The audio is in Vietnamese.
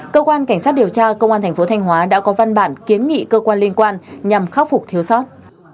cơ quan cảnh sát điều tra công an thành phố thanh hóa đã có văn bản kiến nghị cơ quan liên quan nhằm khắc phục thiếu sót